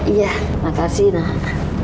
iya makasih nah